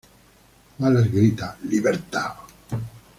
Wallace grita, "¡Libertad!